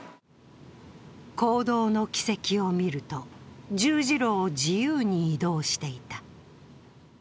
行動の軌跡を見ると、十字路を自由に移動していた。